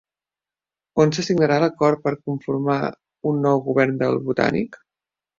On se signarà l'acord per conformar un nou govern del Botànic?